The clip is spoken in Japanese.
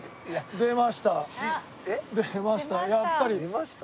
出ました？